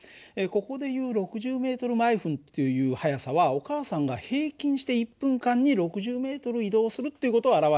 ここでいう６０ｍ／ｍという速さはお母さんが平均して１分間に６０ｍ移動するっていう事を表してるんだね。